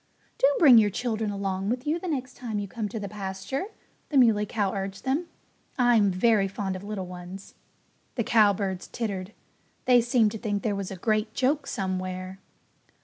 "Do bring your children along with you the next time you come to the pasture," the Muley Cow urged them. "I'm very fond of little ones." The cowbirds tittered. They seemed to think there was a great joke somewhere.